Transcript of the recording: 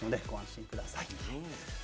ご安心ください。